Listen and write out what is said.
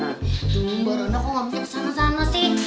aduh mbak rona kok gak punya kesana sama sih